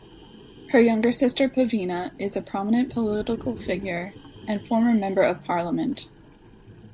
Her younger sister, Pavena, is a prominent political figure and former member of Parliament.